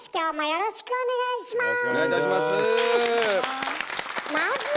よろしくお願いします。